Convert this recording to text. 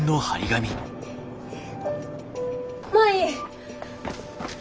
舞！